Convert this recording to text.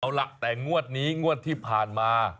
เอาล่ะแต่งวดนี้งวดที่ผ่านมา